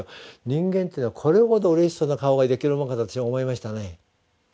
人間というのはこれほどうれしそうな顔ができるもんかと私は思いましたね。